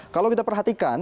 kalau kita perhatikan